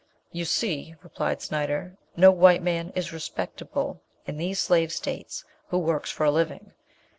"You see," replied Snyder, "no white man is respectable in these slave states who works for a living.